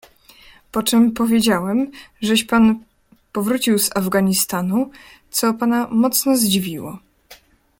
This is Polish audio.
"Poczem powiedziałem, żeś pan powrócił z Afganistanu, co pana mocno zdziwiło."